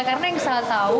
karena yang salah tau